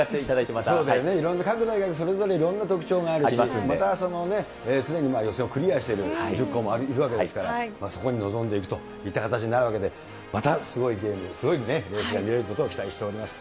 いろんな特徴がありますし、また常に予選をクリアしている１０校もいるわけですから、そこに臨んでいくといった形になるわけで、またすごいゲーム、すごいレースが見れることを期待しております。